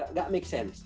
nggak make sense